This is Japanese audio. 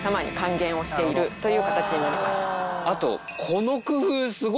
という形になります。